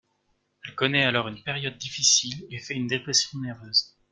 Elle connaît alors une période difficile et fait une dépression nerveuse.